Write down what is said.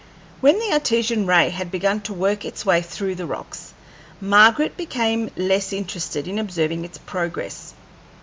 When the Artesian ray had begun to work its way through the rocks, Margaret became less interested in observing its progress.